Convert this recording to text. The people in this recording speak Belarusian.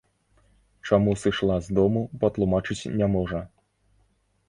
Чаму сышла з дому, патлумачыць не можа.